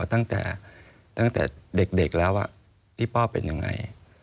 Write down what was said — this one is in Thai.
ตั้งแต่เด็กแล้วที่พ่อเป็นยังไง